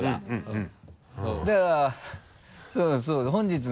うん。